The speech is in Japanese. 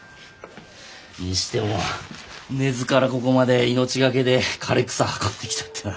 にしても根津からここまで命懸けで枯れ草運んできたってな。